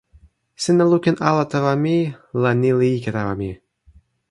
sina lukin ala tawa mi, la ni li ike tawa mi.